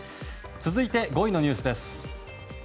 続いて５位のニュースです。